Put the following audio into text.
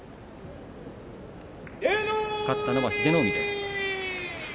勝ったのは英乃海。